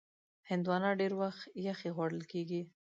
هندوانه ډېر وخت یخې خوړل کېږي.